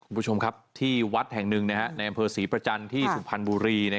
คุณผู้ชมครับที่วัดแห่งหนึ่งในอำเภอศรีประจันทร์ที่สุพรรณบุรี